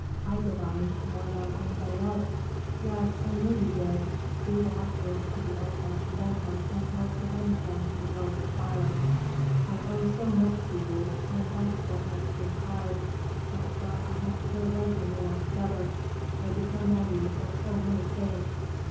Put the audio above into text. I divined more than anybody else." "Yes, I know you did." Thea walked over to the oldfashioned mantel and held her hands down to the glow of the fire. "I owe so much to you, and that's what makes things hard. That's why I have to get away from you altogether. I depend on you for so many things.